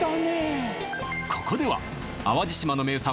ここでは淡路島の名産